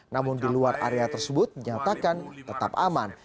namun di luar area tersebut menyatakan tetap aman